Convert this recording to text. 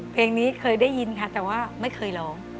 เพลงนี้เคยได้ยินค่ะแต่ว่าไม่เคยร้อง